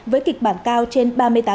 với kịch bản cao trên ba mươi